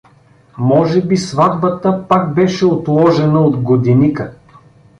Може би сватбата пак беше отложена от годеника.